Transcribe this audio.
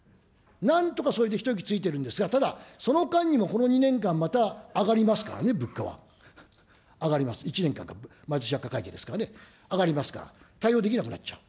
なんとかそれで一息ついてるんですが、ただ、その間にもこの２年間、また上がりますからね、物価は、上がります、１年間かけて、毎年薬価改定ですからね、上がりますから、対応できなくなっちゃう。